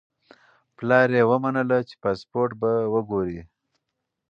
پلار یې ومنله چې پاسپورت به وګوري.